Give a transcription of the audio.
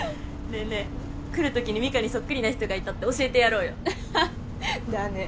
ねえねえ来るときに美香にそっくりな人がいたって教えてやろうよ。